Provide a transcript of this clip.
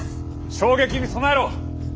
衝撃に備えろ！